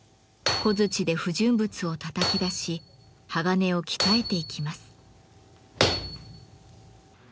小づちで不純物をたたき出し鋼を鍛えていきます。